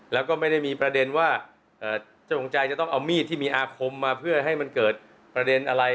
แล้วก็ไม่ได้มีประเด็นว่าเจ้าของใจจะต้องเอามีดที่มีอาคมมาเพื่อให้มันเกิดประเด็นอะไร